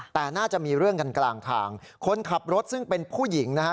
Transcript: แต่น่าจะมีเรื่องกันกลางทางคนขับรถซึ่งเป็นผู้หญิงนะฮะ